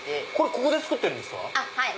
ここで作ってるんですか？